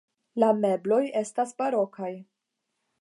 La mebloj estas barokaj.